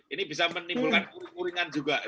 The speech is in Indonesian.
ini bisa menimbulkan uringan juga